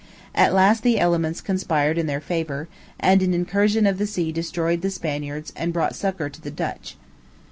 At last the elements conspired in their favor, and an incursion of the sea destroyed the Spaniards and brought succor to the Dutch.